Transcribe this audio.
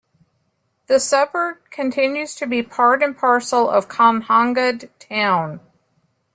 The suburb continues to be part and parcel of Kanhangad town.